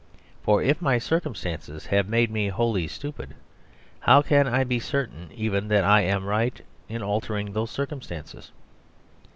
For if my circumstances have made me wholly stupid, how can I be certain even that I am right in altering those circumstances?